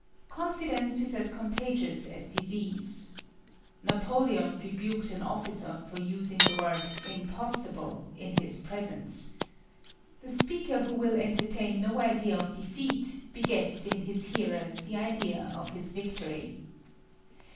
Confidence is as contagious as disease. Napoleon rebuked an officer for using the word "impossible" in his presence. The speaker who will entertain no idea of defeat begets in his hearers the idea of his victory.